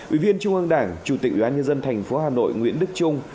ủy viên trung ương đảng chủ tịch đoàn nhân dân thành phố hà nội nguyễn đức trung